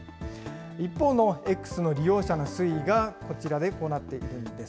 一方のＸの利用者の水位がこちらで、こうなっているんです。